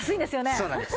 そうなんです。